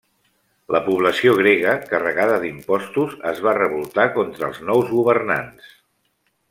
La població grega, carregada d'impostos, es va revoltar contra els nous governants.